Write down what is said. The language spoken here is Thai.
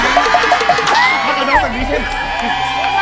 ต้องโพรเตอร์น้องแบบนี้ใช่มั้ย